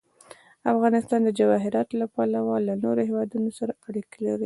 افغانستان د جواهرات له پلوه له نورو هېوادونو سره اړیکې لري.